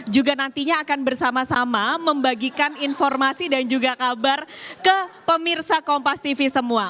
juga nantinya akan bersama sama membagikan informasi dan juga kabar ke pemirsa kompas tv semua